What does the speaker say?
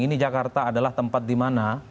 ini jakarta adalah tempat dimana